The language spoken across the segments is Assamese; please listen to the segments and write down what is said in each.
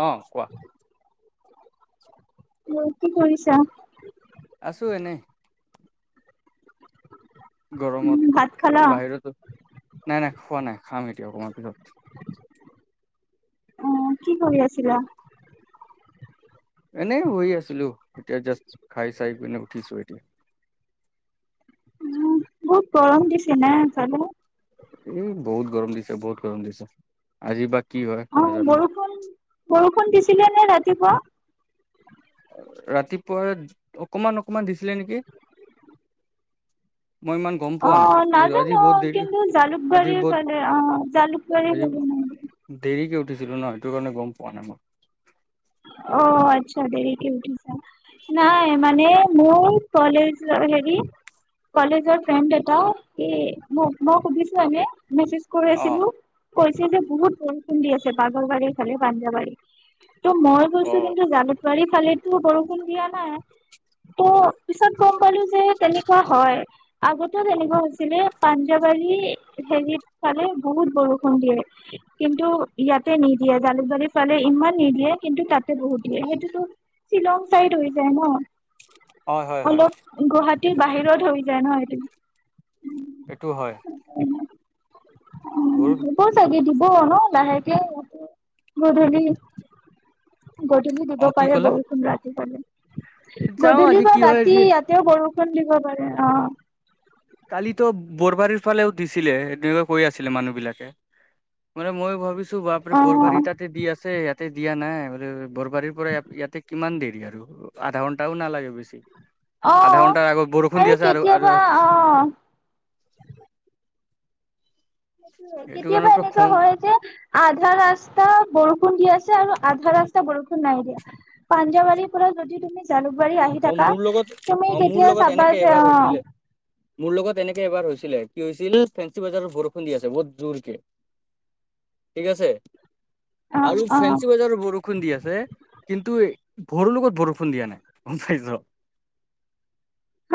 আঁহ কোৱা উম কি কৰিছা আছোঁ এনেই উম ভাত খালা? গৰমত বাহিৰতো নাই নাই খোৱা নাই খাম এতিয়া অকমান পিছত অঁ কি কৰি আছিলা এনেই শুই আছিলো এতিয়া জাষ্ট খাই চাই পিনে উঠিছো এতিয়া উম বহুত গৰম দিছে না তাতো এই বহুত গৰম দিছে বহুত গৰম দিছে আজি বাকী অঁ বৰষুণ বৰষুণ দিছিলে নে ৰাতি কিবা ৰাতিপুৱা অকমান অকমান দিছিলে নেকি মই ইমান গম অ পোৱা নাই আজি নাজানো বহুত দেৰি কিন্তু আজি জালুকবাৰীৰ বহুত ফালে অ জালুকবাৰীৰ আজি ফালে নাই দেৰিকে উঠিছিলো ন সেইটো কাৰণে গম পোৱা নাই মই অ আচ্ছা দেৰিকে উঠিলা নাই মান মানে মোৰ কলেজ হেৰি কলেজৰ ফ্ৰেণ্ড এটা মই সুধিছো এনে মেছেজ কৰি অ আছিলোঁ কৈছে যে বহুত বৰষুণ দি আছে বাগলবাৰীফালে বানঞ্জাবাৰী মই অ গৈছো কিন্তু জালুক জালুকবাৰীফালে বৰষুণ দিয়া নাই ত' পিছত গম পালো যে তেনেক কোৱা হয় আগতে তেনেকুৱা হৈছিলে পাঞ্জাবাৰী হেৰিত ফালে বহুত বৰষুণ দিয়ে কিন্তু ইয়াতে নিদিয়ে জালুকবাৰীৰ ফালে ইমান নিদিয়ে কিন্তু তাতে বহুত দিয়ে সেইটোতো শ্বিলং চাইড হৈ যায় ন হয় হয় হয় অলপ গুৱাহাটী এ বাহিৰত হৈ যায় ন সেইটো এইটো হয় উম বহুত হব চাগে দিব মই লাহেকে উঠো গধূলি গধূলি দিব অ কি পাৰে ক'লা বৰষুণ ৰাতিপোৱালে যাও গধূলি আজি বা কি হয় ৰাতি আজি ইয়াতেও বৰু দিব পাৰে অ কালিতো বৰবাৰীৰ ফালেও দিছিলে এনেকে কৈ আছিলে মানুহ বিলাকে মানে মই ভাব বিছো অ বাপৰে বৰবাৰী তাতে দি আছে ইয়াত দিয়া নাই ম বৰবাৰীৰ পৰা ইয়াতে কিমান দিন আৰু আধা ঘণ্টাও নালাগে বেছি আধা আহ ঘন্টাৰ আগত বৰষুণ দি হৰে আছে আৰু আৰু কেতিয়াবা আহ সেইটোয়ে এইটো কেতিয়াবা কাৰণে পৰা এনেকুৱা খং হয় যে আধা ৰাস্তা বৰষুণ দি আছে আৰু আধা ৰাস্তা বৰষুণ নাই দিয়া পাঞ্জাৱাৰীৰ পৰা যদি তুমি জালুকবাৰী আহি অ থাকা মোৰ লগত তুমি অ মোৰ কেতিয়া লগত চাবা এনেকে যে এবাৰ অ হৈছিলে মোৰ লগত এনেকে এবাৰ হৈছিলে কি হৈছিল ফেঞ্চি বজাৰৰ বৰষুণ দি আছে বহুত জোৰকে ঠিক আছে অ আৰু ফেঞ্চি অ বজাৰৰ বৰষুণ দি আছে কিন্তু এই বৰৰ লগত বৰষুণ দিয়া নাই গম পাইচ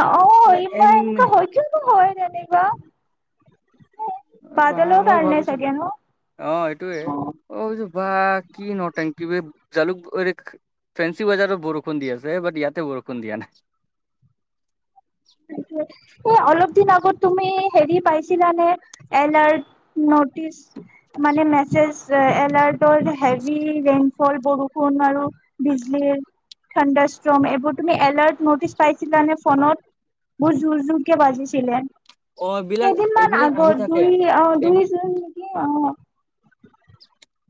অ ইমান এনেকুৱা হয় কিন্তু হয় তেনেকুৱা বা বাদলৰ মই কাৰণে ভাবিছো চাগে ন অ এইটোয়ে অ মই ভাবিছো বা কি নটেংকি বে জালুক ফেঞ্চি বজাৰত বৰষুণ দি আছে বাট ইয়াতে বৰষুণ দিয়া নাই স অলপ দিন আগত তুমি হেৰি পাইছিলানে এলাৰ্ট নট মানে মেচজ এলাৰ্টৰ নে হেভি ৰেইনফল বৰষুণ আৰু বিজলীৰ ঠাণ্ডা ষ্ট্ৰম এইবোৰ তুমি এলাৰ্ট নটিচ পাইছিলানে ফনট বহুত জোৰ জোৰ কে বাজিছিলে অ এইবিলাক কেইদিন মান এইবিলাক আহি আগত থাকে। দুই অ এই দুই জুন নে কি অ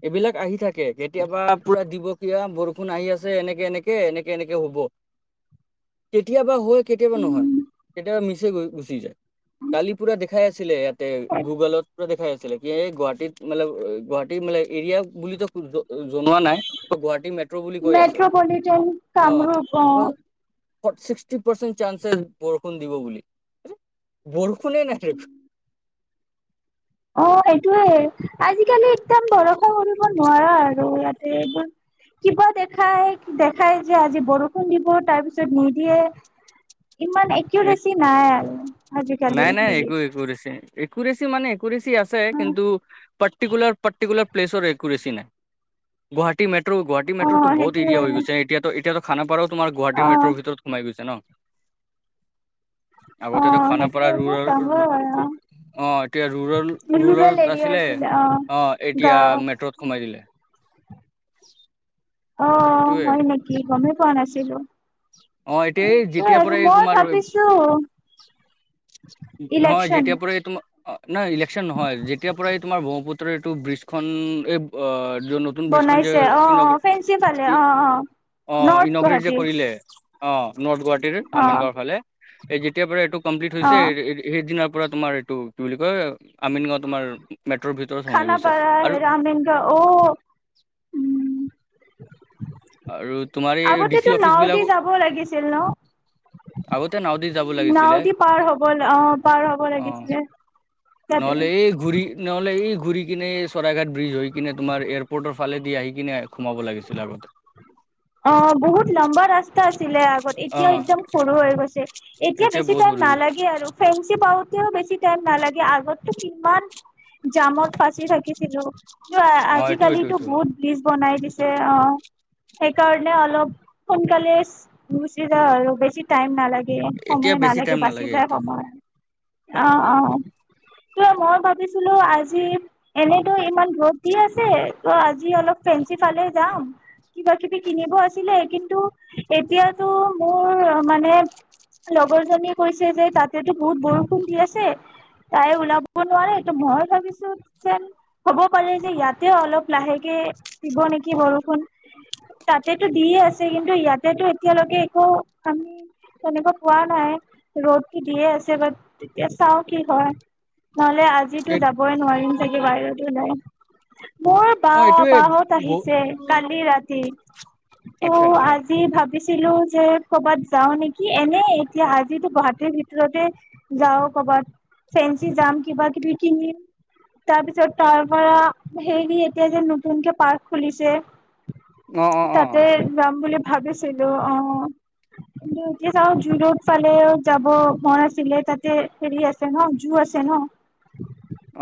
এইবিলাক আহি থাকে কেতিয়াবা পুৰা দিপকীয়া বৰক ফোন আহি আছে এনেকে এনেকে এনেকে এনেকে হ'ব কেতিয়াবা হয় কেতিয়াবা নহয় কেতিয়াবা মিচে গ গুচি যায় কালি পুৰা দেখাই আছিলে ইয়াত গুগলত দেখাই আছিলে কি এই গুৱাহাটীত মাল গুৱাহ ইমলে এৰিয়াক বুলিতো খুজো জনোৱা নাই গুৱাহাটী মেট্ৰ' বুলি কৈ আছে মেট্ৰপলিটন কামৰূপ অ আহ ছিক্সটি পাৰ্চেণ্ট চাঞ্চ আছে বৰষুণ দিব বুলি। বৰষুণ কনে নটৰিক [unintelligible] অ সেইটোয়ে। আজিকালি একদম বৰষুণ কৰিব নোৱাৰা আৰু ইয়াতে এইবোৰ কিবা দেখাই, দেখাই যে আজি বৰষুণ নিব তাৰপিছত নিদিয়ে। ইমান এক্যুৰেচি নাই আৰু। আজিকালি নাই-নাই একো হেৰিত একো কৰিছে। একুৰেচি মানে একুৰেচি আছে কিন্তু পাৰ্টিকুলাৰ-পাৰ্টিকুলাৰ প্লেচৰ একুৰেচি নাই। গুৱাহাটী মেট্ৰ গুৱাহাটী অ মেট্ৰটো বহুত এৰিয়া হৈ সেইটোয়ে গৈছে। এতিয়াটো-এতিয়াটো খানাপাৰাত তোমাৰ অ গুৱাহাটীৰ মেট্ৰৰ ভিতৰত সোমাইছে গৈছে ন? অ আগতে খানাপাৰা সেইটোয়ে ৰল বহুত ডাঙৰ অঁ এতিয়া ৰল ৰুৰেল ৰুৰাল এৰিয়া আছিলে অ অঁ এতিয়া গাঁও মেট্ৰত সোমাই দিলে [inaudible] অ, এইটোয়ে হয় নেকি? গমেই পোৱা নাছিল। জিল অ এতিয়া এই যেতিয়াৰ পৰাই তোমাৰ ভাবিছো নহয় ইলেকচন যেতিয়াৰ পৰাই তোমাৰ অ নাই ইলেকচন নহয়। যেতিয়াৰ পৰাই তোমাৰ ব্ৰহ্মপুত্ৰৰ এইটো ব্ৰিজখন এই য নতুন ব্ৰিজখন যে বনাইছে অ অ ফেঞ্চি ফালে অ অ অ নৰ্থ ইনগোৰেট যে গুৱাহাটী কৰিলে অ। নৰ্থ গুৱাহাটীৰ অ আমিন গাঁওৰ ফালে। এই যেতিয়াৰ পৰা এইটো কমপ্লিট অ হৈছে সেইদিনা পুৰা তোমাৰ এইটো কি বুলি কয় আমিন গাঁও তোমাৰ। মেট্ৰৰ ভিতৰত সোমাই গৈছে খানাপাৰা আৰু আমিনগাওঁ অ'। আৰু তোমাৰ এই আগতেতো ডিচি অফিচ নাও দি বিলাকো। যাব লাগিছিল ন আগতে নাৱেদি যাব নাও লাগিছিলে। দি পাৰ হব অ পাৰ হব অ লাগিছিলে তাতে নহলে অ এই ঘূৰি নহলে এই ঘূৰি কিনে চৰাইঘাট ব্ৰিজ হৈ কিনে তোমাৰ এয়াৰপৰ্টৰ ফালে দি আহি কিনে সোমাব লাগিছিলে আগতে? অ বহুত লম্বা ৰাস্তা আছিলে আগত এতিয়াও অ' একদম সৰু হৈ গৈছে। এতিয়া বেছি বহুত টাইম সৰু গৈছে নালাগে আৰু ফেন্ঞ্চি পাওঁতেও বেছি টাইম নালাগে আগততো কিমান জামত ফাঁচি থাকিছিলো। কিন্তু অ এইটো এইটো আজিকালিটো এইটো বহুত ব্ৰিজ বনাই দিছে অ। সেইকাৰণে অলপ সোনকালে গুচি যায় আৰু বেছি টাইম নালাগে। এ এতিয়া সময় বেছি টাইম নালাগে, বাচি যায় ইয়াতে। সময়। অ-অ। তই মই ভাবিছিলো আজি এনেতো ইমান ৰদ দি আছে ত আজি অলপ ফেঞ্চি ফালে যাম। কিবা কিবি কিনিব আছিলে, কিন্তু এতিয়াতো মোৰ মানে লগৰ জনীয়ে কৈছে যে তাতেতো বহুত বৰষুণ দি আছে। তাই ওলাব নোৱাৰে ত মই ভাবিছো যেন হ'ব পাৰে যে ইয়াতে অলপ লাহেকে দিব নেকি বৰষুণ। তাতেটো দিয়ে আছে কিন্তু ইয়াতেতো এতিয়ালৈকে একো আমি তেনেকুৱা পোৱা নাই ৰ'দটো দিয়ে আছে বাট তেতিয়া চাও কি হয় নহলে আজিতো যাবই নোৱাৰিম চাগে ভাড়াটো নাই মোৰ বা অ এইটোয়ে বা হত বহু আহিছে কালি ৰাতি তো আচ্ছা আচ্ছা আজি ভাবিছো ভাবিছিলো যে কৰ'বাত যাও নেকি এনে এতিয়া আজিটো গুৱাহাটীৰ ভিতৰতে যাও কৰ'বাত ফেঞ্চি যাম কিবা কিবি কিনিম তাৰপিছত তাৰ পৰা হেৰি এতিয়া যে নতুনকে পাৰ্ক খুলিছে অ অ অ তাতে যাম বুলি ভাবিছিলো অ কি এতিয়া চাওঁ জো ৰোড ফালেও যাব মন আছিলে তাতে হেৰি আছে ন জো আছে ন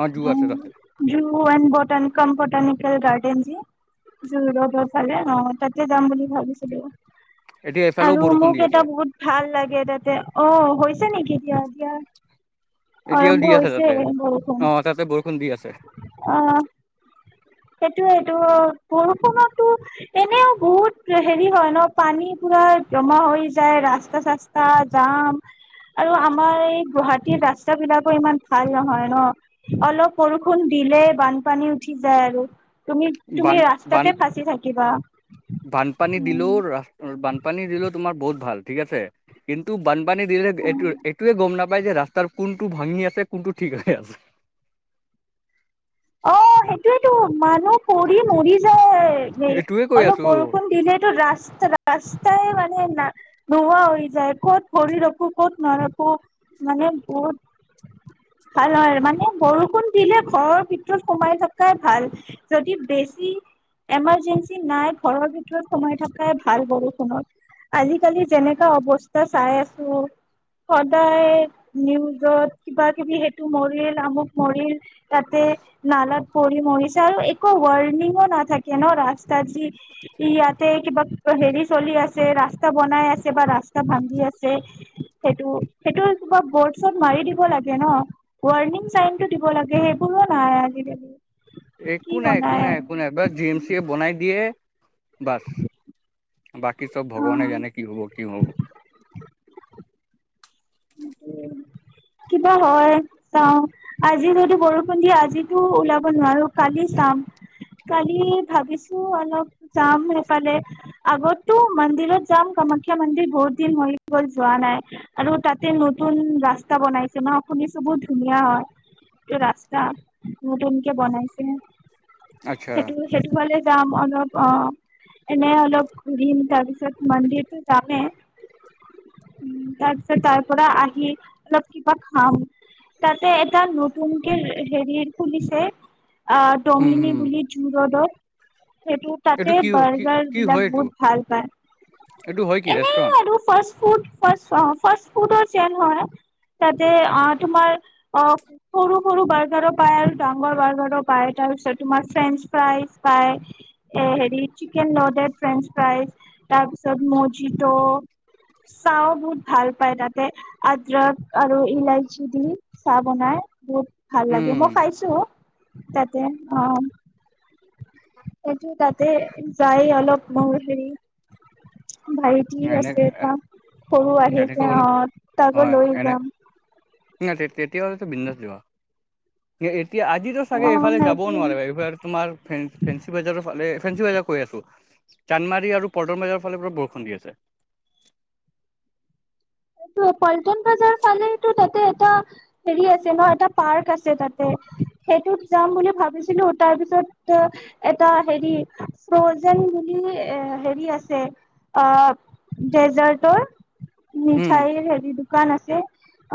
অ জো আছে তাতে অ এমবটানিকম বটানিকেল গাৰ্ডেন জোৰ ৰোডৰ ফালে অ তাতে যাম বুলি ভাবিছিলো এতিয়া এইফালেও আৰু বৰষুণ দি মোক এটা আছে বহুত ভাল লাগে তাতে অ হৈছে নেকি দিয়া দিয়া এতিয়াও দি আৰম্ভ আছে হৈছে তাতে বৰষুণ অ তাতে বৰষুণ দি আছে আহ সেইটোয়েটো বৰষুণটো এনেও বহুত হেৰি হয় ন পানী পুৰা জমা হৈ যায় ৰাস্তা চাস্তা জাম আৰু আমাৰ এই গুৱাহাটীৰ ৰাস্তা বিলাকো ইমান ভাল নহয় ন অলপ বৰষুণ দিলে বানপানী উঠি যায় আৰু তুমি তুমি বান বান ৰাস্তাতে ফাঁচি থাকিবা। বানপানী দিলেও ৰা বানপানী দিলেও তোমাৰ বহুত ভাল ঠিক আছে কিন্তু বানপানী দিলে এইটো এইটোৱে গম নাপায় যে ৰাস্তাৰ কোনটো ভাঙি আছে কোনটো ঠিক হৈ আছে অ সেইটোয়েতো মানুহ পৰি মৰি যায় নেই এইটোয়ে কৈ অলপ আছো বৰষুণ দিলেটো ৰাস্তা ৰাস্তাই মানে ন নোৱা হৈ যায় ক'ত ভৰি ৰাখো ক'ত নাৰখো মানে বহুত ভাল হয় মানে বৰষুণ দিলে ঘৰৰ ভিতৰত সোমাই থকাই ভাল যদি বেছি এমাৰজেঞ্চি নাই ঘৰৰ ভিতৰত সোমাই থকাই ভাল বৰষুণত আজিকালি যেনেকা অৱস্থা চাই আছো সদায় নিউজত কিবা কিবি সেইটো মৰিল আমুক মৰিল তাতে নালত পৰি মৰিছে আৰু একো ৱাৰ্ণিংও নাথাকে ন ৰাস্তাত যি ইয়াতে কিবা হেৰি চলি আছে ৰাস্তা বনাই আছে বা ৰাস্তা ভাগি আছে সেইটো সেইটো কিবা বৰ্ডছত মাৰি দিব লাগে ন ৱাৰ্ণিং চাইন টো দিব লাগে সেইবোৰো নাই য একো নাই একো নাই একো নাই বছ জি এম চি য়ে বনাই দিয়ে বছ বাকী চব অ ভগৱানে জানে কি হব কি হব কিবা হয় চাওঁ আজি যদি বৰষুণ দিয়ে আজিটো ওলাব নোৱাৰো কালি চাম কালি ভাবিছো অলপ যাম সেইফালে আগতো মন্দিৰত যাম কামাখ্যা মন্দিৰ বহুত দিন হৈ গল যোৱা নাই আৰু তাতে নতুন ৰাস্তা বনাইছে শুনিছো বহুত ধুনীয়া হয় ৰাস্তা নতুনকে বনাইছে আচ্ছা সেইটো সেইটোফালে যাম অ অ অ এনে অলপ ঘূৰিম তাৰপিছত মন্দিৰতটো যামে তাৰপিছত তাৰ পৰা আহি অলপ কিবা খাম তাতে এটা নতুনকে হেৰি খুলিছে আ হুম টঙিনী হুম বুলি জোৰ ৰোডত সেইটো তাতে এইটো কি হ কি বাৰ্গাৰ কি বিলাক হয় এইটো বহুত ভাল এইটো হয় কি পায় এনে ৰেষ্টুৰেণ্ট আৰু ফাষ্ট ফুড অ ফাষ্ট ফুডত কিটচেন হয় তাতে অ তোমাৰ অ সৰু সৰু বাৰ্গাৰো পায় আৰু ডাঙৰ বাৰ্গাৰো পায় তাৰপিছত তোমাৰ ফ্ৰেঞ্চ ফ্ৰাইজ পায় এ হেৰি চিকেন লডেড ফ্ৰেঞ্চ ফ্ৰাইজ তাৰ পিছত মজিটো চাহ বহুত ভাল পায় তাতে আদ্ৰত আৰু ইলাইচি দি চাহ বনাই বহুত ভাল লাগে উম মই খাইছো তাতে অ সেইটো তাতে যাই অলপ ম হেৰি ভাইটি এনে আছে এ এটা সৰু এনেকে আহিছে হ'লে অঁ তাক হয় লৈ এনে যাম না তেতিয়া হ'লে টো বিনদাছ যোৱা এতিয়া আজিতো চাগে অ এইফালে যাবও সেইটো নোৱাৰে এইফালে তোমাৰ ফেঞ্চি বাজাৰৰ ফালে ফেঞ্চি বাজাৰ কৈ আছো চানদমাৰি আৰু পদৰ বজাৰৰ ফালে পুৰা বৰষুণ দি আছে উ পল্টন বজাৰ ফালে তাতে এটা হেৰি আছে ন এটা পাৰ্ক আছে তাতে সেইটোত যাম বুলি ভাবিছিলো তাৰপিছত এটা হেৰি ফজেন বুলি এ হেৰি আছে অঁ ডেজাৰ্টৰ উম ঠাই হেদি দোকান আছে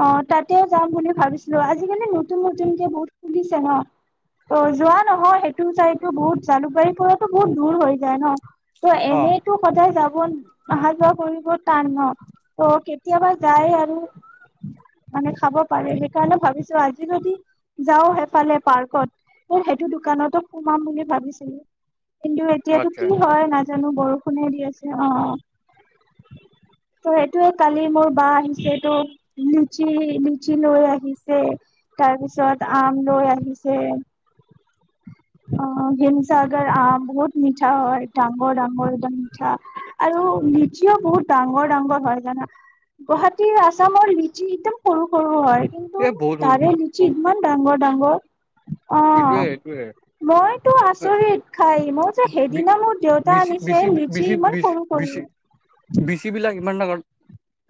অঁ তাতেও যাম বুলি ভাবিছিলো আজিকালি নতুন নতুনকে বহুত খুলিছে ন ত যোৱা নহয় সেইটো যাইতো বহুত জালুকবাৰীৰ পৰাতো বহুত দূৰ হৈ যায় ন ত' অ এনেইতো সদায় যাব অহা যোৱা কৰিব টান নহ টো কেতিয়াবা যায় আৰু মানে খাব পাৰে সেইকাৰণে ভাবিছো আজি যদি যাও সেইফালে পাৰ্কত সেইটো দোকানতো সোমাম বুলি ভাবিছিলো কিন্তু এতিয়াতটো আচ্ছা কি হয় ন জানো বৰষুণে দি আছে অঁ ত সেইটো কালি মোৰ বা আহিছে তোক লিচি লিচি লৈ আহিছে তাৰপিছত আম লৈ আহিছে অ হিমসাগৰ আম‌ বহুত মিঠা হয় ডাঙৰ ডাঙৰ একদম মিঠা আৰু মিঠিও বহুত ডাঙৰ ডাঙৰ হয় জানা গুৱাহাটীৰ আছামৰ লিচি একদম সৰু সৰু হয় কিন্তু এই বহুত সৰু তাৰে লিচি ইমান ডাঙৰ ডাঙৰ অ এইটোয়ে এইটোয়ে মইতো আচৰিত খাই মই যে সেইদিনা মোৰ দেউতা বিচি আনিছে বিচি লিচি বিচি ইমান বিচি সৰু বিচ সৰু বিচি বিলাক ইমান ডাঙৰ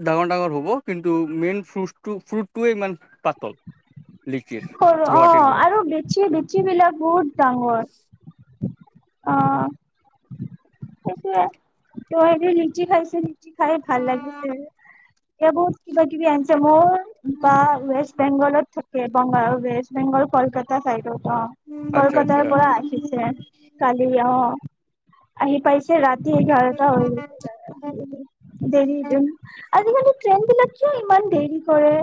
ডাঙৰ ডাঙৰ হ'ব কিন্তু মেইন ফ্ৰুট ফ্ৰুটটোৱে ইমান পাতল লিচিৰ গুৱাহাটী বিলাক লিচি লিচি বিলাক বহুত ডাঙৰ অঁ সেইটোৱেই তই আজি‌ লিচি‌‌ খাইছিলি কি খাই ভাল লাগিছে এয়া বহুত কিবা কিবি আহিছে মোৰ বা ৱেষ্ট বেংগলত থ বংগৰ ৱেষ্ট বেংগল কলকাতা ছাইডত অঁ আচ্ছা আচ্ছা কলকাতাৰ পৰা আহিছে কালি আহ আহি পাইছে ৰাতি এতিয়া ইঘাৰতা হৈ যায় ‌‌দেৰি আজিকালি ট্ৰেইন বিলাক কিয় ইমান দেৰি কৰে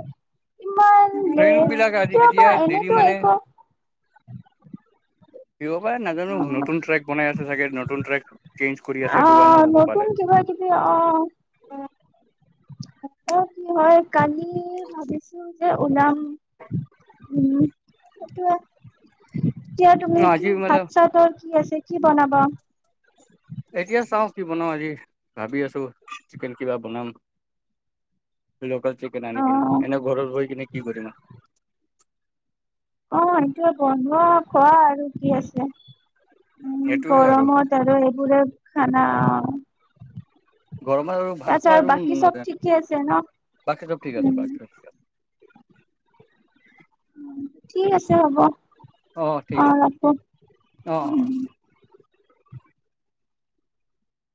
ইমান লেট প কিয় বা এনে তো একো কিয় বা নাজানো নতুন ট্ৰেক বনাই আছে চাগে নতুন টেক্স অ নতুন কিবা কিবি অ অ কি হয় কালি ভাবিছো যে ওলাম উম এতিয়া এতিয়া তুমি কি আজি মানে ভাত চাতত কি আছে কি বনাবা এতিয়া চাওঁ কি বনাও আজি ভাবি আছো চিকেন কিবা বনাম লোকেল চিকেন আনি অ কিনে এনে ঘৰৰত বৈ কিনে কি কৰিম অ সেটো বনোৱা খোৱা আৰু কি আছে উম সেইটোয়ে আৰু গৰমত আৰু এইবোৰে খানা অ গৰমত আৰু ভাত খোৱাৰ বাকী চব নাজায় ঠিকে আছে ন বাকী চব ঠিক উম আছে বাকী চব ঠিক আছে ঠিক আছে হ'ব অঁ ঠিক অ আছে ৰাখো। অঁ অ উম।